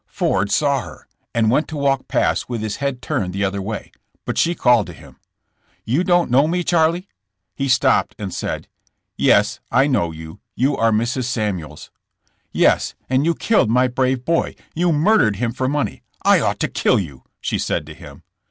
Ford saw her and went to walk past with his head turned the other way, but she called to him ; "You don't know me, Charlie?" He stopped and said: "Yes, I know you. You are Mrs. Samuels." "Yes, and you killed my brave boy; you mur dered him for money. I ought to kill you," she said to him.